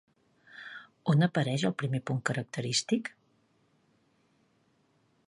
On apareix el primer punt característic?